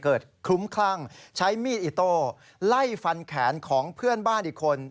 คลุ้มคลั่งใช้มีดอิโต้ไล่ฟันแขนของเพื่อนบ้านอีกคน